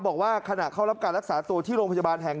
บอกว่าขณะเข้ารับการรักษาตัวที่โรงพยาบาลแห่ง๑